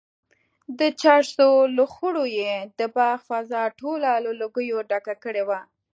د چرسو لوخړو یې د باغ فضا ټوله له لوګیو ډکه کړې وه.